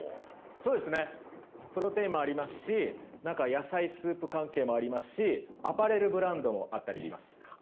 そうですねプロテインもありますし野菜スープ関係もありますしアパレルブランドもあったりします。